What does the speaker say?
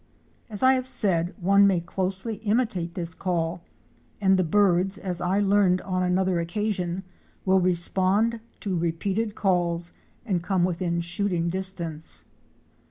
As I have said, one may closely imitate this call, and the birds, as I learned on another occasion, will respond to repeated calls and come within shooting distance.